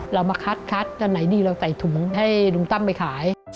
เรามาคัดตอนไหนดีเราใส่ถุงให้ลุงตั้มไปขาย